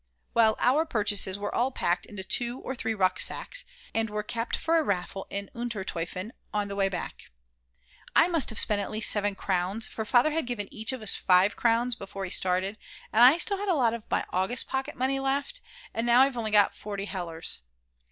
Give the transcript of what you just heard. Well, our purchases were all packed into two or three rucksacks, and were kept for a raffle in Unter Toifen on the way back. I must have spent at least 7 crowns, for Father had given each of us 5 crowns before we started, and I still had a lot of my August pocket money left, and now I've got only 40 hellers.